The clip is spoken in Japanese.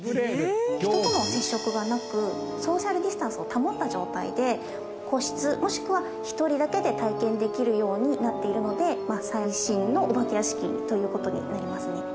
人との接触がなくソーシャルディスタンスを保った状態で個室もしくは１人だけで体験できるようになっているので最新のお化け屋敷という事になりますね。